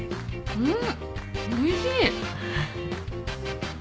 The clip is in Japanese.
うん。